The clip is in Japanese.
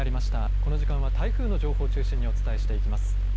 この時間は台風の情報を中心にお伝えしていきます。